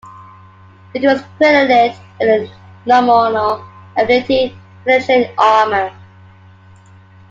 It was credited with the nominal ability to penetrate armour.